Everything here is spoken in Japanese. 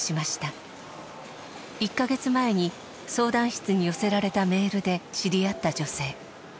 １カ月前に相談室に寄せられたメールで知り合った女性。